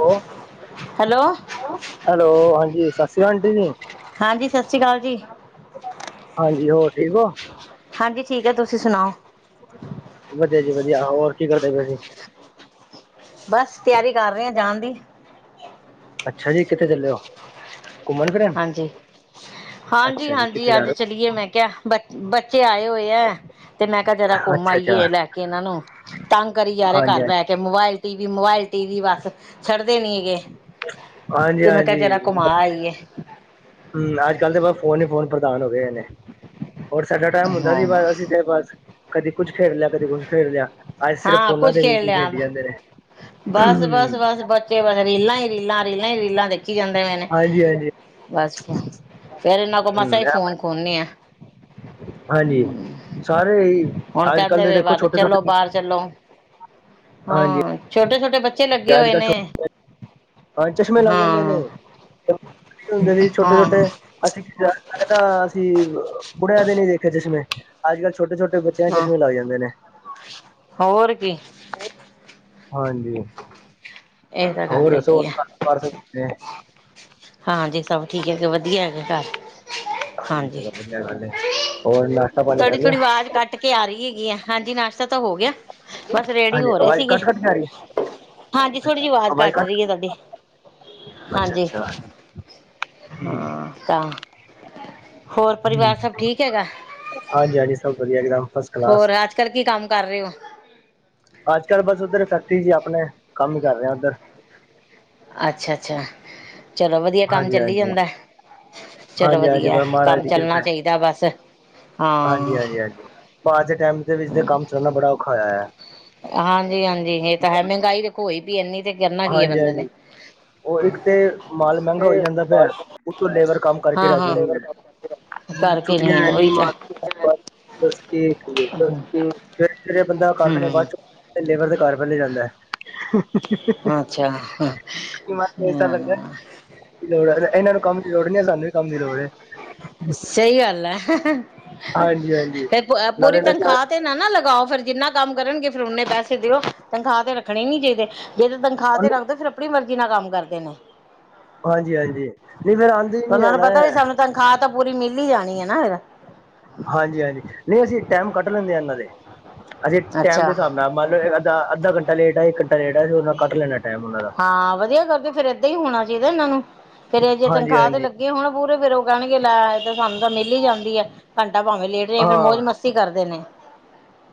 ਉਹ hello hello hello ਹਾਂਜੀ ਸਤਿ ਸ੍ਰੀ ਅਕਾਲ ਆਂਟੀ ਜੀ। ਹਾਂਜੀ ਸਤਿ ਸ਼੍ਰੀ ਅਕਾਲ ਜੀ ਹਾਂਜੀ ਹੋਰ ਠੀਕ ਹੋ? ਹਾਂਜੀ ਠੀਕ ਆ, ਤੁਸੀਂ ਸੁਣਾਓ। ਵਧੀਆ ਜੀ ਵਧੀਆ। ਹੋਰ ਕੀ ਕਰਦੇ ਪਏ ਸੀਂ? ਬਸ ਤਿਆਰੀ ਕਰ ਰਹੇ ਹਾਂ ਜਾਣ ਦੀ। ਅੱਛਾ ਜੀ, ਕਿੱਥੇ ਚੱਲੇ ਹੋ? ਘੁੰਮਣ ਫਿਰਨ? ਹਾਂਜੀ, ਹਾਂਜੀ ਅੱਛਾ ਜੀ ਹਾਂਜੀ, ਕਿੱਥੇ ਜਾ ਅੱਜ ਰਹੇ ਚਲੀਏ ਮੈਂ ਕਿਹਾ ਬ ਬੱਚੇ ਆਏ ਹੋਏ ਨੇ। ਨੇ ਤੇ ਮੈਂ ਕਿਹਾ ਜਰਾ ਹੋ? ਘੁੰਮ ਅੱਛਾ ਅੱਛਾ, ਆਈਏ ਲੈ ਕੇ ਇਹਨਾਂ ਨੂੰ ਤੰਗ ਕਰੀ ਜਾਰੇ ਹਾਂਜੀ ਘਰ ਹਾਂਜੀ। ਬਹਿ ਕੇ। ਅਤੇ mobile TV mobile T V ਬਸ ਛੱਡਦੇ ਨੀ ਹੈਗੇ। ਹਾਂਜੀ ਤੇ ਮੈਂ ਕਿਹਾ ਜਰਾ ਘੁਮਾ ਆਈਏ। ਹਮ ਅੱਜ ਕੱਲ੍ਹ ਤਾਂ ਬਸ ਫੋਨ ਹੀ ਫੋਨ ਪ੍ਰਧਾਨ ਹੋ ਗਏ ਨੇ। ਹੋਰ ਸਾਡਾ ਟਾਈਮ ਹੁੰਦਾ ਹਾਂ ਸੀ ਬਸ ਅਸੀਂ ਤੇ ਬਸ ਕਦੇ ਕੁੱਛ ਖੇਡ ਲਿਆ। ਕਦੇ ਕੁਛ ਖੇਡ ਲਿਆ। ਅੱਜ ਸਿਰਫ ਹਾਂ ਫੋਨਾਂ ਕੁੱਝ ਦੇ ਖੇਡ ਵਿੱਚ ਹੀ ਲਿਆ ਖੇਡੀ ਜਾਂਦੇ ਨੇ। ਬਸ ਬਸ ਬਸ ਬੱਚੇ ਬਸ ਰੀਲਾਂ ਹੀ ਰੀਲਾਂ ਰੀਲਾਂ ਹੀ ਰੀਲਾਂ ਦੇਖ ਦੇਖੀ ਜਾਂਦੇ ਪਏ ਨੇ। ਹਾਂਜੀ ਹਾਂਜੀ, ਬਸ ਫੇਰ ਇਹਨਾਂ ਕੋਲੋਂ ਮਸਾ ਹੂੰ ਹੀ ਫੋਨ ਖੋਨੇ ਆਂ। ਹਾਂਜੀ ਸਾਰੇ ਇਹੀ ਹੁਣ ਕਹਿੰਦੇ ਨੇ ਬਸ। ਚਲੋ ਬਾਹਰ ਚਲੋ ਹਾਂਜੀ ਹਾਂ। ਛੋਟੇ ਛੋਟੇ ਬੱਚੇ ਲੱਗੇ ਅੱਜ ਹੋਏ ਕੱਲ੍ਹ ਛੋ ਨੇ। ਹਾਂ, ਚਸ਼ਮੇ ਲੱਗ ਜਾਂਦੇ ਨੇ ਹਾਂ ਇਹੀ ਹੁੰਦੇ ਨੇ ਛੋਟੇ ਹਾਂ ਛੋਟੇ ਅਸੀਂ ਲਗਦਾ ਅਸੀਂ ਕੁ ਬੁੜੇਆ ਦੇ ਨੀ ਦੇਖੇ ਚਸ਼ਮੇ ਅੱਜ ਕੱਲ੍ਹ ਛੋਟੇ ਛੋਟੇ ਬੱਚੇ ਬੱਚਿਆਂ ਨੂੰ ਚਸ਼ੇ ਹਾਂ ਚਸ਼ਮੇ ਲੱਗ ਜਾਂਦੇ ਨੇ। ਹੋਰ ਕੀ ਹਾਂਜੀ। ਇਹ ਤਾਂ ਗੱਲ ਹੋਰ ਦੱਸੋ ਹੈਗੀ ਆ ਕੰਮ ਕਾਰ ਸਭ ਕਿਵੇਂ ਹਾਂਜੀ ਸਭ ਠੀਕ ਹੈ ਜੀ ਵਧੀਆ ਹੈਗੇ ਘਰ। ਹਾਂਜੀ ਚਲੋ ਵਧੀਆ ਗੱਲ ਹੈ ਹੋਰ ਨਾ ਥੋੜ੍ਹੀ ਥੋੜ੍ਹੀ ਆਵਾਜ਼ ਕੱਟ ਕੇ ਆ ਰਹੀ ਹੈਗੀ ਆ। ਹਾਂਜੀ ਨਾਸ਼ਤਾ ਤਾਂ ਹੋ ਗਿਆ। ਬਸ ਰੇਡੀ ਹਾਂਜੀ ਹੋ ਰਹੇ ਆਵਾਜ਼ ਸੀਗੇ। ਕੱਟ ਕੱਟ ਕੇ ਆ ਰਹੀ ਹਾਂਜੀ ਥੋੜ੍ਹੀ ਜਿਹੀ ਆਵਾਜ਼ ਕੱਟ ਰਹੀ ਹੈ ਤੁਹਾਡੀ। ਅੱਛਾ ਹਾਂਜੀ ਅੱਛਾ। ਹਾਂ ਤਾਂ ਹੋਰ ਪਰਿਵਾਰ ਸਭ ਠੀਕ ਹੈਗਾ? ਹਾਂਜੀ ਹਾਂਜੀ ਸਭ ਵਧੀਆ ਇਕਦਮ। ਹੋਰ ਅੱਜ ਕੱਲ੍ਹ ਕੀ ਕੰਮ ਕਰ ਰਹੇ ਹੋ? ਅੱਜ ਕੱਲ੍ਹ ਬਸ ਉੱਧਰ ਫੈਕਟਰੀ ਚ ਹੀ ਆਪਣੇ ਕੰਮ ਹੀ ਕਰ ਰਿਹਾ ਉੱਧਰ। ਅੱਛਾ ਅੱਛਾ ਚਲੋ ਵਧੀਆ ਕੰਮ ਹਾਂਜੀ ਚੱਲੀ ਹਾਂਜੀ ਜਾਂਦਾ? ਚਲੋ ਹਾਂਜੀ ਹਾਂਜੀ ਵਧੀਆ ਬਸ ਵ ਮਹਾਰਾਜ ਕੰਮ ਦੀ ਚੱਲਣਾ ਕਿਰਪਾ ਚਾਹੀਦਾ ਬਸ। ਹਾਂਜੀ ਹਾਂ ਹਾਂਜੀ ਹਾਂਜੀ। ਪਰ ਅਜ ਦੇ ਟਾਈਮ ਦੇ ਵਿੱਚ ਕੰਮ ਚੱਲਣਾ ਬੜਾ ਔਖਾ ਹੋਇਆ ਹੈ। ਹਾਂਜੀ ਹਾਂਜੀ। ਇਹ ਤਾਂ ਹੈ ਮਹਿੰਗਾਈ ਦੇਖੋ ਹੋਈ ਪਈ ਇੰਨੀ ਤੇ ਕਰਨਾ ਕੀ ਹੈ ਹਾਂਜੀ ਬੰਦੇ ਨੇ। ਹਾਂਜੀ ਉਹ ਇੱਕ ਤੇ ਮਾਲ ਮਹਿੰਗਾ ਹੋਈ ਜਾਂਦਾ ਪਿਆ, ੳਤੋਂ ਲੇਬਰ ਕੰਮ ਕਰਕੇ ਹਾਂ ਰਾਜੀ ਹਾਂ ਨਹੀਂ ਗੀ। ਕਰਕੇ ਛੁੱਟੀਆਂ ਨਹੀਂ ਐਨੀ ਉਹੀ ਤਾਂ ਮਾਰ ਬੱਸ ਕੇ ਕਹੀਏ। ਸਵੇਰੇ-ਸਵੇਰੇ ਬੰਦਾ ਕਾਰਖਾਨੇ ਹਮ ਬਾਅਦ ਚੁੱਕ ਲੇਬਰ ਦੇ ਘਰ ਪਹਿਲੇ ਜਾਂਦਾ ਅੱਛਾ ਹਹ ਮੈਨੂੰ ਐਸਾ ਲੱਗਦਾ ਲੋੜ ਹੈ ਇਹਨਾਂ ਨੂੰ ਕੰਮ ਦੀ ਲੋੜ ਨਹੀਂ ਹੈ। ਸਾਨੂੰ ਵੀ ਕੰਮ ਦੀ ਲੋੜ ਹੈ। ਸਹੀ ਗੱਲ ਹੈ ਹਾਂਜੀ ਹਾਂਜੀ ਤੇ ਪੂਰੀ ਨਾਲੇ ਤਨਖਾਹ ਤੇ' ਨਾ ਨਾ ਲਗਾਓ ਫੇਰ ਜਿੰਨਾ ਕੰਮ ਕਰਨਗੇ ਫੇਰ ਉਨੇ ਪੈਸ ਦਿਓ ਤਨਖਾਹ ਤੇ ਰੱਖਣੇ ਨੀ ਚਾਹੀਦੇ ਜੇ' ਤਾਂ ਤਨਖਾਹ ਤੇ ਰੱਖਦੇ ਫਿਰ ਆਪਣੀ ਮਰਜ਼ੀ ਨਾਲ ਕੰਮ ਕਰਦੇ ਨੇ ਹਾਂਜੀ-ਹਾਂਜੀ ਨਹੀਂ ਫੇਰ ਆਉਂਦੇ ਹੀ ਨੀ ਉਹਨਾਂ ਨੂੰ ਆਣਾ ਪਤਾ ਵੀ ਸਾਨੂੰ ਤਨਖਾਹ ਤਾਂ ਪੂਰੀ ਮਿਲ ਹੀ ਜਾਣੀ ਹੈ ਨਾ ਫ ਹਾਂਜੀ-ਹਾਂਜੀ ਨਹੀਂ ਅਸੀਂ ਟਾਈਮ ਕੱਢ ਲੈਂਦੇ ਹਾਂ ਇਹਨਾਂ ਦੇ ਅਸੀਂ ਟਾਈਮ ਦੇ ਅੱਛਾ ਹਿਸਾਬ ਨਾਲ ਮੰਨ ਲਬ ਅੱਧਾ-ਅੱਧਾ ਘੰਟਾ ਲੇਟ ਹੈ ਇੱਕ ਘੰਟਾ ਲੇਟ ਆ ਅਸੀ ਉਹ ਕੱਢ ਲੈਣਾ ਟਾਈਮ ਉਹਨਾ ਦਾ ਹਾਂ ਵਧੀਆ ਕਰਦੇ ਫੇਰ ਏਦਾਂ ਹੀ ਹੋਣਾ ਚਾਹੀਦਾ ਇਹਨਾਂ ਨੂੰ ਫੇਰ ਇਹ ਜੇ ਹਾਂਜੀ ਤਨਖਾਹ ਤੇ ਹਾਂਜੀ ਲੱਗੇ ਹੁਣ ਪੂਰੇ ਫਿਰ ਉਹ ਕਹਿਣਗੇ ਲੈ ਸਾਨੂੰ ਤਾਂ ਮਿਲ ਹੀ ਜਾਂਦੀ ਹੈ। ਘੰਟਾ ਭਾਵੇਂ ਲੇਟ ਰਹੇ ਫਿਰਰ ਮੌਜ ਹਾਂ ਮਸ ਕਰਦੇ ਨੇ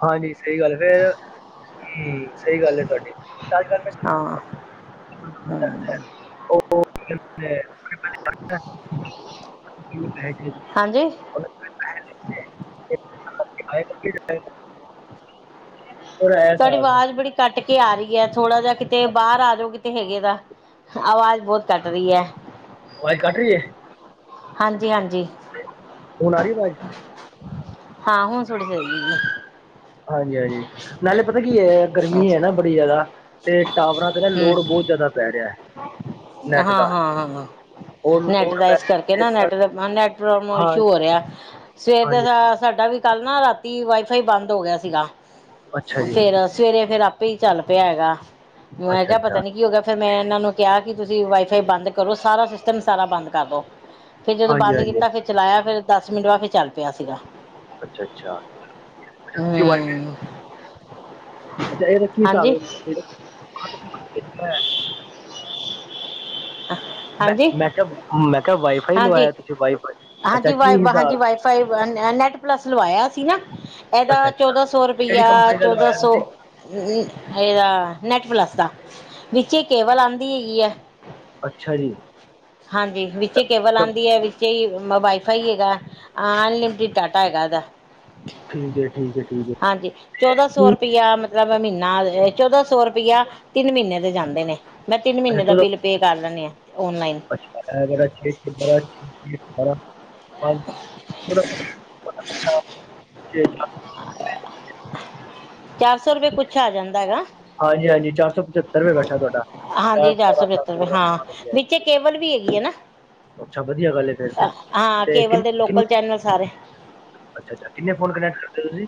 ਹਾਂਜੀ ਸਹੀ ਗੱਲ ਫੇਰ ਹਮ ਸਹੀ ਗੱਲ ਹੈ ਤੁਹਾਡੀ ਰਾਜ ਕਰ ਮੈਂ ਹਾਂ ਅੱਛ ਉਹ ਕੀ ਕਹਿੰਦੇ [inaudible] ਹਾਂਜੀ [unintelligible] [unintelligible] ਤੁਹਾਡੀ ਆਵਾਜ਼ ਬੜੀ ਕੱਟ ਕੇ ਆ ਰਹੀ ਹੈ ਥੋੜਾ ਜਾ ਕਿਤੇ ਬਾਹਰ ਆ ਜਾਓ ਕਿਤੇ ਹੈਗੇ ਦਾ ਆਵਾਜ਼ ਬਹੁਤ ਘੱਟ ਰਹੀ ਹੈ। ਆਵਾਜ਼ ਕੱਟ ਰਹੀ ਹੈ। ਹਾਂਜੀ-ਹਾਂਜੀ ਹੁਣ ਆ ਰਹੀ ਆ ਵਾਜ ਹਾਂ ਹੁਣ ਸੁਟਦੀ ਹਾਂਜੀ-ਹਾਂਜੀ ਨਾਲੇ ਪਤਾ ਕੀ ਹੈ ਗਰਮੀ ਹੈ ਨਾ ਬੜੀ ਜ਼ਿਆਦਾ ਤੇ' ਟਾਵਰਾਂ ਤੇ ਨਾ ਲੋੜ ਬਹੁਤ ਜ਼ਿਆਦਾ ਪਰੀਆ ਹਾਂ-ਹਾਂ-ਹਾਂ-ਹਾਂ ਉਹ ਨੈਟ ਲੋਡ ਦਾ ਪੈ ਇਸ ਕਰਕੇ ਨਾ ਰਿਹਾ ਹੈ। ਨੈਟ ਦਾ ਨੈਟ ਪ੍ਰੋਬਲਮ ਹਾਂ ਇਸ਼ੂ ਹੋ ਰਿਹਾ ਸਵੇਰ ਹਾਂਜੀ ਦਾ ਸਾਡਾ ਵੀ ਕੱਲ ਨਾ ਰਾਤੀ ਵਾਈਫਾਈ ਬੰਦ ਹੋ ਗਿਆ ਸੀਗਾ ਅੱਛਾ ਜੀ ਫੇਰ ਸਵੇਰੇ ਫੇਰ ਆਪੇ ਹੀ ਚੱਲ ਪਿਆ ਹੈਗਾ। ਮੈਂ ਅੱਛਾ ਕਿਹਾ ਅੱਛਾ ਪਤਾ ਨੀ ਕੀ ਹੋ ਗਿਆ ਫੇਰ ਮੈਂ ਇਹਨਾਂ ਨੂੰ ਕਿਹਾ ਕਿ ਤੁਸੀਂ ਵਾਈਫਾਈ ਬੰਦ ਕਰੋ ਸਾਰਾ ਸਿਸਟਮ ਸਾਰਾ ਬੰਦ ਕਰਦੋ ਫਿਰ ਜਦੋਂ ਹਾਂਜੀ ਬੰਦ ਹਾਂਜੀ ਕੀਤਾ ਫਿਰ ਚਲਾਇਆ ਫਿਰ ਦਸ ਮਿੰਟ ਬਾਅ ਫਿਰ ਚੱਲ ਪਿਆ ਸੀਗਾ ਅੱਛਾ-ਅੱਛਾ ਅ ਤੁਸੀਂ [inaudible] ਅੱਛਾ ਇਹਦਾ ਕੀ ਸਾਬ ਹਾਂਜੀ ਆਹ ਮੈਂ-ਮੈਂ ਕਿਹਾ ਮੈਂ ਕਿਹਾ ਵਾਈਫਾਈ ਹਾਂਜੀ। ਲਵਾਇਆ ਤੁਸੀਂ ਵਾਈਫਾਈ ਅੱਛਾ ਹਾਂਜੀ ਕੀ ਵ' ਹਾਂਜੀ ਹਿਸਾਬ ਵਾਈਫਾਈ ਨੈਟ ਪਲਸ ਲਵਾਇਆ ਸੀ ਨਾ ਅੱਛਾ ਇਹਦਾ ਅੱਛਾ ਚੌਦਾਂ ਸੌ ਕਿਹੜੀ ਰੁਪਇਆ ਕੰਪਨੀ ਦਾ ਚੌਦਾਂ ਲਵਾਇਆ ਸੌ ਤੁਸੀਂ ਇਹਦਾ ਨੈਟ ਪਲੱਸ ਦਾ ਵਿੱਚੇ ਕੇਵਲ ਆਉਂਦੀ ਹੈਗੀ ਆ ਅੱਛਾ ਜੀ ਹਾਂਜੀ ਵਿੱਚ ਕੇਵਲ ਸਭ ਆਉਂਦੀ ਹੈ। ਜ ਵਾਈਫਾਈ ਹੈਗਾ ਅਨਲਿਮਿਟਿਡ ਡਾਟਾ ਹੈਗਾ ਇਹਦਾ ਠੀਕ-ਠੀਕ-ਠੀਕ ਹੈ। ਹਾਂਜੀ ਚੌਦਾਂ ਸੌ ਕੀ- ਰੁਪਇਆ ਮਤਲਬ ਮਹੀਨਾ ਚੌਦਾਂ ਸੌ ਰੁਪਇਆ ਤਿੰਨ ਮਹੀਨੇ ਦੇ ਜਾਂਦੇ ਨੇ ਮੈਂ ਤਿੰਨ ਅੱਛਾ ਮਹੀਨੇ ਦਾ ਚਲੋ ਬਿੱਲ ਪੇ ਕਰ ਲੈਂਦੇ ਆਂ ਓਨਲਾਈਨ [unintelligible] [unintelligible] ਚਾਰ ਸੌ ਰੁਪਏ ਕੁੱਛ ਆ ਜਾਂਦਾ ਗਾ ਹਾਂਜੀ-ਹਾਂਜੀ ਚਾਰ ਸੌ ਪਚੱਤਰ ਰੁਪਏ ਬੈਠਾ ਤੁਹਾਡਾ ਹਾਂਜੀ ਚਾਰ ਸੌ ਅਠਾਰਾਂ ਪਚੱਤਰ ਸੱਤ ਰੁਪਏ ਬਾਰਾਂ ਹਾਂ ਹਾਂਜੀ ਵਿੱਚੇ ਹਾਂਜੀ। ਕੇਵਲ ਵੀ ਹੈਗੀ ਹੈ ਨਾ ਅੱਛਾ ਵਧੀਆ ਗੱਲ ਹੈ ਫਿਰ ਤੇ ਆਂ, ਹਾਂ ਤੇ ਕੇਵਲ ਕਿੰਨ ਦੇ ਕਿੰਨ ਲੋਕਲ ਚੈਨਲ ਸਾਰੇ ਅੱਛਾ- ਅੱਛਾ ਕਿੰਨੇ ਫੋਨ ਕਨੈਕਟ ਕਰਦੇ ਹੋ ਤੁਸੀਂ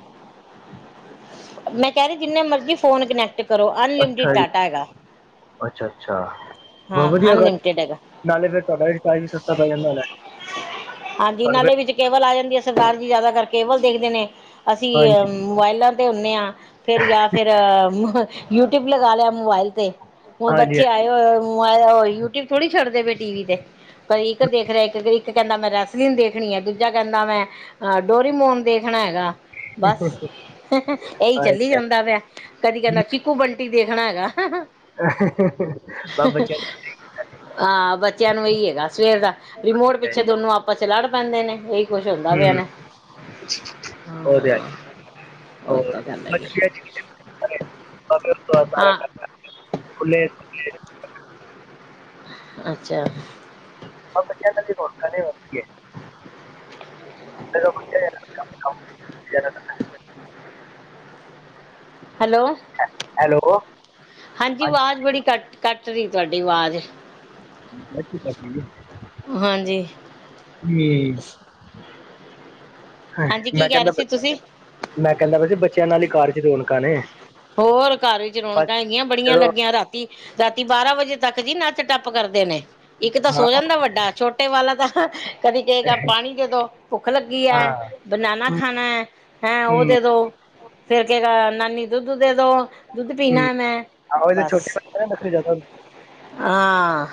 ਮੈਂ ਕਹਿ ਰਹੀ ਜਿੰਨੇ ਮਰਜ਼ੀ ਫੋਨ ਕਨੈਕਟ ਕਰੋ ਅਨਲਿਮਟਿਡ ਅੱਛਾ ਜੀ ਡਾਟਾ ਹੈਗਾ ਅੱਛਾ- ਅੱਛਾ ਬਹੁਤ ਹਾਂ ਵਧੀਆ ਗੱਲ ਅਨਲਿਮਟਿਡ ਹੈਗਾ ਨਾਲੇ ਫਿਰ ਤੁਹਾਡਾ ਸਟਾਈਲ ਸਸਤਾ ਪੈ ਜਾਂਦਾ ਹੋਣਾ ਹਾਂਜੀ ਨਾਲੇ ਵਿੱਚ ਕੇਵਲ ਆ ਜਾਂਦੀ, ਸਰਦਾਰ ਜੀ ਜ਼ਿਆਦਾਤਰ ਕੇਵਲ ਦੇਖਦੇ ਨੇ, ਅਸੀਂ ਅ ਹਾਂਜੀ ਮੋਬਾਇਲਾਂ ਤੇ ਹੁੰਦੇ ਆਂ ਫਿਰ ਯਾ ਫਿਰ ਯੂਟਿਊਬ ਲਗਾ ਲਿਆ ਮੋਬਾਇਲ ਤੇ, ਹੁਣ ਹਾਂਜੀ ਬੱਚੇ ਆਏ ਅ ਮੋ ਯੂਟਿਊਬ ਥੋੜੀ ਛੱਡਦੇ ਪਏ ਟੀ ਵੀ ਤੇ ਕਈ ਇੱਕ ਦੇਖ ਰਿਹਾ ਇੱਕ, ਇੱਕ ਕਹਿੰਦਾ ਮੇਰਾ ਸਲੀਨ ਦੇਖਣੀ ਹੈ ਦੂਜਾ ਕਹਿੰਦਾ ਮੈਂ ਅਹ ਡੋਰੀਮੋਨ ਦੇਖਣਾ ਹੈਗਾ ਬਸ, ਏਹੀ ਹਾਂਜੀ ਚੱਲੀ ਹਾਂਜੀ ਜਾਂਦਾ ਪਿਆ ਕਦੀ ਕਹਿੰਦਾ ਹਾਂਜੀ। ਚੀਕੂ ਬੰਟੀ ਦੇਖਣਾ ਹੈਗਾ ਬਸ ਬੱਚਿਆਂ ਦਾ ਹਾਂ ਬੱਚਿਆਂ ਨੂੰ ਇਹੀ ਹੈਗਾ ਸਵੇਰ ਦਾ, ਰਿਮੋਟ ਪਿੱਛੇ ਦੋਨੋ ਆਪਸ 'ਚ ਲੜ ਪੈਂਦੇ ਨੇ ਇ ਹਮ, ਹਾਂ ਉਹ ਤੇ ਹੈ ਉਹੀ ਹੋਰ ਤਾਂ ਗੱਲ ਹੈਗੀ ਹਾਂ [unintelligible] ਫੁੱਲੇ ਅੱਛਾ ਅ ਪਚਣ ਹਾਂ ਸ ਹੈਲੋ ਹੈ ਹੈਲੋ ਹਾਂਜੀ ਆਵਾਜ਼ ਬੜੀ ਕੱਟ, ਕੱਟ ਰਹੀ ਤੁਹਾਡੀ ਆਵਾਜ਼ ਹ [unintelligible] ਹਾਂਜੀ ਹਾਂਜੀ ਹਮ ਕੀ ਮੈਂ ਕਹਿ ਰਹੇ ਕਹਿੰਦਾ ਪਿਆ ਸੀ ਤੁਸੀਂ ਮੈਂ ਕਹਿੰਦਾ ਪਿਆ ਸੀ ਬੱਚਿਆਂ ਨਾਲ ਹੀ ਕਾਰ 'ਚ ਰੌਣਕਾਂ ਨੇ ਹੋਰ ਘਰ ਵਿੱਚ ਬਸ ਰੌਣਕਾਂ ਹੈਗੀਆਂ ਬੜੀਆਂ ਜਦੋਂ ਲੱਗੀਆਂ ਰਾਤ ਤੀ ਰਾਤੀ ਬਾਰਾਂ ਵਜੇ ਤੱਕ ਜੀ ਨੱਚ ਟੱਪ ਕਰਦੇ ਨੇ ਇੱਕ ਤਾਂ ਹਾਂ ਸੋ ਜਾਂਦਾ ਵੱਡਾ ਛੋਟਾ ਛੋਟੇ ਵਾਲਾ ਤਾਂ ਕਦੀ ਕਹੇਗਾ ਪਾਣੀ ਦੇ ਦੋ ਭੁੱਖ ਲੱਗੀ ਹੈ ਹਾਂ ਬਨਾਨਾ ਹੂੰ ਖਾਣਾ ਹੈ, ਹੈਂ ਉਹ ਹੂੰ ਦੇ ਦੋ, ਫੇਰ ਕਹੇਗਾ ਨਾਨੀ ਦੁੱਧ ਦੇ ਦੋ ਦੁੱਧ ਹੂੰ ਪੀਣਾ ਮੈਂ ਆਹੋ ਇਹਦੇ ਬਸ ਛੋਟੇ ਬੱਚੇ ਨਾ ਨਖਰੇ ਜ਼ਿਆਦਾ ਹਾਂ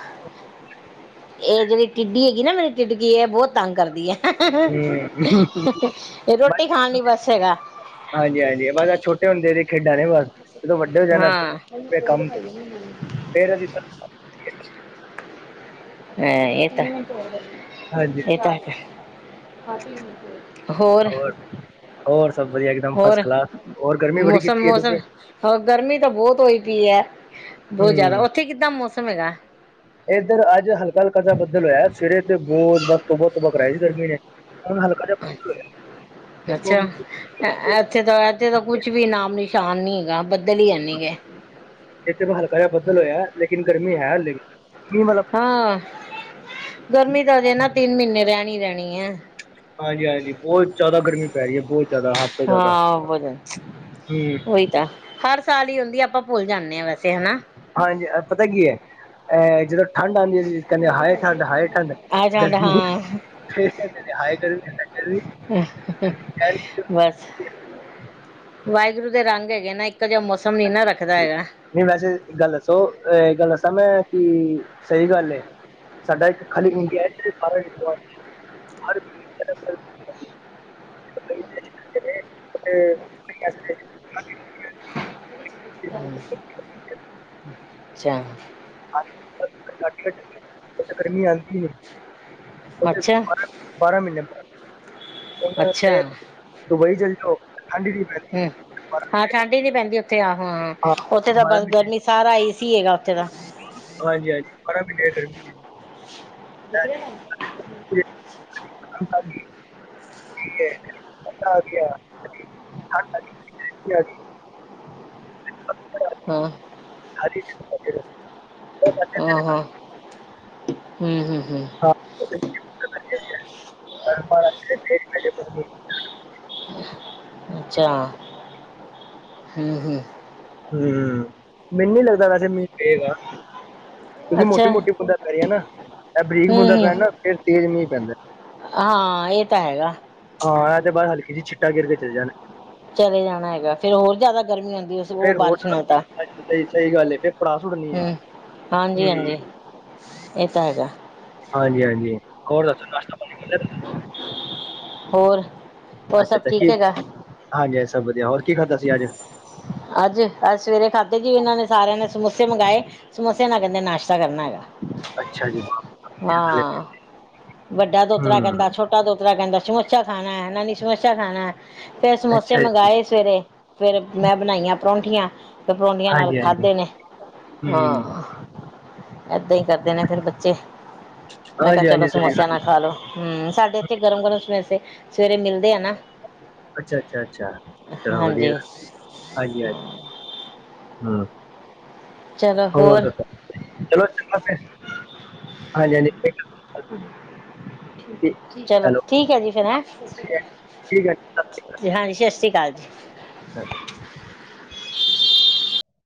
ਇਹ ਜਿਹੜੀ ਟਿੱਡੀ ਹੈਗੀ ਨਾ ਮੇਰੀ ਟਿੱਡਕੀ ਏ ਬਹੁਤ ਤੰਗ ਕਰਦੀ ਹੈ ਹੁੰਦੇ ਹੂੰ ਰੋਟੀ ਬਸ ਖਾਣ ਲਈ ਬਸ ਹੈਗਾ ਹਾਂਜੀ ਹਾਂਜੀ ਬਸ ਛੋਟੇ ਹੁੰਦੇ ਦੇ ਖੇਡਾਂ ਨੇ ਬਸ ਜਦੋਂ ਵੱਡੇ ਹੋ ਜਾਣਾ ਹਾਂ ਫੇਰ ਅਸੀ ਤਾਂ ਹੈੰ ਇਹ ਤਾਂ ਹੈ ਹਾਂਜੀ ਇਹ ਤਾਂ ਹੈ ਹੋਰ ਹੋਰ ਸਭ ਵਧੀਆ ਇੱਕਦਮ ਫਸਟ ਹੋਰ, ਕਲਾਸ ਹੋਰ ਗਰਮੀ ਬੜੀ ਮੌਸਮ ਕੀਤੀ ਹੈ -ਮੌਸਮ, ਤੁਸੀਂ ਹੋਰ ਗਰਮੀ ਤਾਂ ਬੌਤ ਹੋਈ ਪੀ ਐ, ਬੌਤ ਜਾਦਾ, ਉੱਥੇ ਕਿੱਦਾਂ ਮੌਸਮ ਹੈਗਾ? ਏਧਰ ਅੱਜ, ਹਲਕਾ -ਹਲਕਾ ਜਾ ਬੱਦਲ ਹੋਏਆ, ਸਵੇਰੇ ਤੇ ਬੌਤ ਤੌਬਾ -ਤੌਬਾ, ਤੌਬਾ ਕਰਾਈ ਗਰਮੀ ਨੇ, ਹੁਣ ਹਲ ਅੱਛਾ। ਏਥੇ ਤਾਂ- ਏਥੇ ਤਾਂ, ਕੁਛ ਵੀ ਨਾਮ ਨਿਸ਼ਾਨ ਨੀਂ ਹੈਗਾ ਬੱਦਲ ਈ ਐ ਨੀਂ ਗੇ। ਇੱਥੇ, ਹਲਕਾ ਜੇਆ ਬਦਲ ਹੋਏਆ, ਲੇਕਿਨ ਗਰਮੀ ਹੈ ਹਲੇ ਵੀ। ਹਾਂ, ਗਰਮੀ ਤਾਂ ਅਜੇ ਨਾ ਤਿੰਨ ਮੀਨੇ ਰੈਣੀ -ਰੈਣੀ ਐ। ਹਾਂਜੀ- ਹਾਂਜੀ, ਬੌਤ ਜਾਦਾ ਗਰਮੀ ਪੈ ਰਈ ਐ ਬੌਤ ਜਾਦਾ ਹਦ ਹਾਂ [unintelligible] ਓਈ ਤਾਂ। ਹਰ ਸਾਲ ਈ ਹੁੰਦੀ ਐ, ਆਪਾਂ ਭੁੱਲ ਜਾਂਨੇ ਆਂ ਵੈਸੇ ਹਨਾ। ਹਾਂਜੀ, ਪਤਾ ਕੀ ਐ, ਅਹ ਜਦੋਂ ਠੰਡ ਆਂਦੀ ਸੀ। ਕੈੰਦੇ ਹਾਏ ਠੰਡ -ਹਾਏ ਠੰਡ ਆ ਜਾਂਦਾ [unintelligible] ਹਾਂ ਫੇਰ ਕੈੰਦੇ ਨੇ, ਹਾਏ ਗਰਮੀ- ਹਾਏ ਗਰਮੀ [unintelligible] ਵਾਏਗੁਰੂ ਦੇ ਰੰਗ ਹੈਗੇ ਨ, ਇੱਕੋ ਜੇਆ ਮੌਸਮ ਨੀਂ ਨਾ ਰੱਖਦਾ ਹੈਗਾ। ਨਈ ਵੈਸੇ ਇਕ ਗੱਲ ਦੱਸੋ, ਇੱਕ ਗੱਲ ਦੱਸਾਂ ਮੈਂ, ਕਿ ਸਈ ਗੱਲ ਐ। [unintelligible] [unintelligible] [inaudible] ਗਰਮੀ ਆਂਦੀ ਏ। ਅੱਛਾ ਬਾਰਾ ਮੀਨੇ ਅੱਛਾ [unintelligible] ਦੁਬਈ ਚਲ ਜੋ ਠੰਡ ਈ ਨੀਂ ਪੈਂਦੀ। ਹਮ, ਬਾਰਾਂ ਹਾਂ ਮਹੀਨੇ ਠੰਡੀ ਹੀ ਨੀ, ਪੈਂਦੀ ਉੱਥੇ ਆਹੋ। ਹਾਂ, ਓਥੇ ਤਾਂ ਬਾਰਾਂ ਬਸ, ਗਰਮੀ ਸਾਰਾ ਏਸੀ ਹੈਗਾ ਓਥੇ ਤਾਂ ਹਾਂਜੀ -ਹਾਂਜੀ ਬਾਰਾ ਮੀਨ੍ਹੇ ਐ ਗਰਮੀ। ਹੈ। ਆ [unintelligible] ਗਈ [unintelligible] ਗਈ ਹਾਂ ਹਾਂਜੀ। ਆ ਹ, ਹੂੰ ਹੂੰ ਹਮ। [inaudible] ਅੱਛਾ, ਹੂੰ-ਹੂੰ ਹਮ, ਮੈਨੂੰ ਨੀ ਲੱਗਦਾ ਵੈਸੇ ਮੀਂਹ ਪਏਗਾ। ਮੋਟੀ- ਅੱਛਾ ਮੋਟੀ ਬੂੰਦਾ ਪੈ ਰਈਆਂ ਨਾ, ਐ ਬਰੀਕ ਹਮ ਬੂੰਦਾ ਹਮ ਪੈਣ ਨਾ, ਫੇਰ ਤੇਜ਼ ਮੀਂਹ ਪੈਂਦਾ। ਹਾਂ, ਏਹ ਤਾਂ ਹੈਗਾ। ਹਾਂ, ਐ ਤੇ ਬਸ ਹਲਕੇ ਜੀ, ਛਿੱਟਾ ਗੇਰ ਕੇ ਚਲੇ ਜਾਨ। ਚਲੇ ਜਾਣਾ ਹੈਗਾ ਫੇਰ ਹੋਰ ਜਾਦਾ ਗਰਮੀ ਹੁੰਦੀ। ਤੇ ਓ ਫੇਰ ਹੋਰ ਬਾਰਿਸ਼ ਨੂੰ ਤਾ ਸਹੀ ਸਹੀ ਗੱਲ ਏ ਫੇਰ ਪੜ੍ਹਾ ਸੁੱਟਣੀ ਏ। ਹਮ, ਹਾਂਜੀ -ਹਾਂਜੀ। ਹੂੰ, ਏਹ ਤਾਂ ਹੈਗਾ। ਹਾਂਜੀ -ਹਾਂਜੀ, ਹੋਰ ਦੱਸੋ [unintelligible] ਹੋਰ? ਹੋਰ ਅੱਛਾ ਸਭ -ਅੱਛਾ ਕੀ, ਠੀਕ ਹੈਗਾ ਹਾਂਜੀ ਹਾਂ ਸਬ ਵਧੀਆ, ਹੋਰ ਕੀ ਖਾਧਾ ਸੀ ਅੱਜ? ਅੱਜ, ਅੱਜ ਸਵੇਰੇ ਖਾਦੇ ਜੀ, ਇਨਾਂ ਨੇ ਸਾਰੇਆਂ ਨੇ ਸਮੋਸੇ ਮੰਗਾਏ। ਸਮੋਸੇਆਂ ਨਾਲ, ਕੈੰਦੇ ਨਾਸ਼ਤਾ ਕਰਨਾ ਹੈਗਾ। ਅੱਛਾ ਜੀ ਹੂੰ, ਹਾਂ, ਵੱਡਾ ਦੋਤਰਾ ਕੈੰਦਾ ਛੋਟ ਛੋਟਾ ਦੋਤਰਾ ਕੈੰਦਾ ਛਮੋਛਾ ਖਾਨਾ, ਨਾਨੀ ਛਮੋਸ਼ਾ ਖਾਨਾ ਹੈ। ਫੇਰ ਸਮੋਸੇ ਅੱਛਾ ਜੀ ਮੰਗਵਾਏ ਸਵੇਰੇ, ਫੇਰ ਮੈਂ ਣਾਈਆਂ ਪਰੌਠੀਆਂ, ਤੇ ਪਰੌਂਠੀਆਂ ਨਾਲ ਹਾਂਜੀ-ਹਾਂਜੀ ਖਾਧੇ ਨੇ, ਹੂੰ, ਹਾਂ। ਏਦਾਂ ਹੀ ਕਰਦੇ ਨੇ ਫੇਿਰ ਬੱਚੇ, ਮੈਂ ਕਿਹਾ ਚਲੋ ਹਾਂਜੀ-ਹਾਂਜੀ ਸਹੀ ਸਮੋਸਿਆਂ ਗੱਲ ਨਾਲ ਖਾਲੋ ਹਮ, ਸਾਡੇ ਇੱਥੇ ਗਰਮ -ਗਰਮ ਸਮੇਸੇ ਸਵੇਰੇ ਮਿਲਦੇ ਆ ਨਾ। ਅੱਛਾ ਅੱਛਾ, ਅੱਛਾ ਚਲੋ ਵਧੀਆ, ਹਾਂਜੀ ਹਾਂਜੀ -ਹਾਂਜੀ, ਹਮ- ਹੋਰ ਦੱਸੋ, ਚਲੋ ਠੀਕ ਹੈ ਫਿਰ, ਹਾਂਜੀ -ਹਾਂਜੀ। ਚਲੋ ਹੈਲੋ ਠੀਕ ਹੈ ਜੀ, ਫੇਰ ਹੈਂ। ਠੀਕ ਹੈ ਜੀ ਸਤਿ ਹਾਂਜੀ, ਸਤਿ ਸ਼੍ਰੀ ਅਕਾਲ ਜੀ। ਹਾਂ [inaudible]